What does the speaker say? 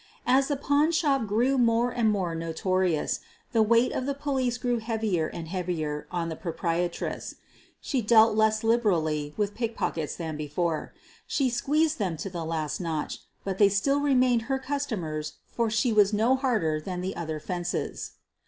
As the pawn shop grew more and more notorious, the weight of the police grew heavier and heavier on the proprietress. She dealt less liberally with pickpockets than before. She squeezed them to the QUEEN OF THE BURGLARS 191 last notch, but they still remained her customer^ for she was no harder than the other fences.